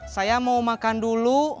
saya mau makan dulu